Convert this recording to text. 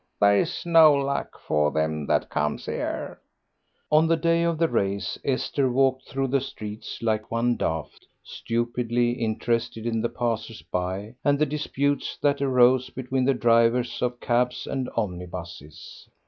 There's no luck for them that comes 'ere." On the day of the race Esther walked through the streets like one daft, stupidly interested in the passers by and the disputes that arose between the drivers of cabs and omnibuses.